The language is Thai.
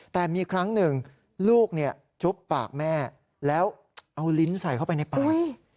แต่มีครั้งหนึ่งลูกจุ๊บปากแม่แล้วเอาลิ้นใส่เข้าไปในปาก